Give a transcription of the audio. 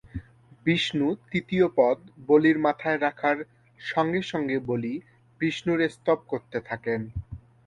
বিষ্ণু তৃতীয় পদ বলির মাথায় রাখার সাথে সাথে বলি বিষ্ণুর স্তব করতে থাকেন।